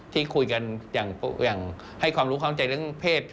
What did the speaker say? ที่คุยกันอย่างให้ความรู้เข้าใจเรื่องเพศ